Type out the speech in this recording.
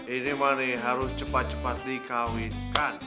ini mah nih harus cepat cepat dikawinkan